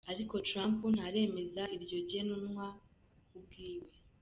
Ariko Trump ntaremeza iryo genwa ubwiwe.